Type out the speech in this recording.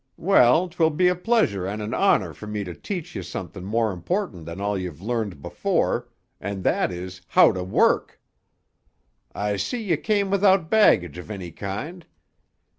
Well, 'twill be a pleasure and an honour for me to teach ye something more important than all ye've learned before—and that is, how to work. "I see ye cam' withoot baggage of any kind.